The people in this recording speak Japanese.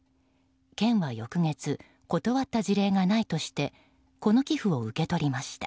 県は翌月断った事例がないとしてこの寄付を受け取りました。